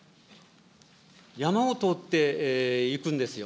山を通っていくんですよ。